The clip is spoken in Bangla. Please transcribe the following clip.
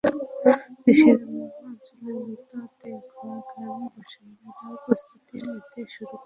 দেশের অন্যান্য অঞ্চলের মতো তেঘর গ্রামের বাসিন্দারাও প্রস্তুতি নিতে শুরু করেন প্রতিরোধের।